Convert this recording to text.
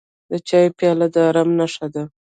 د چای پیاله د ارام نښه ده.